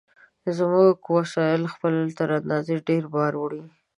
زموږ وسایل خپل تر اندازې ډېر بار وړي.